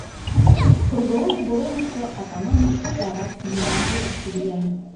Круговой оборонышто Атаманыч утларак йӧнан верыште лийын.